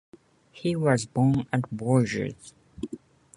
He was born at Bourges.